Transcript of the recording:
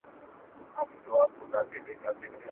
په ښوونځيو کي بايد د اخلاقياتو درسونه ورکړل سي.